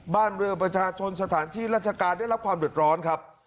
บ้านเรือประชาชนสถานที่ราชการได้รับความเดือดร้อนครับ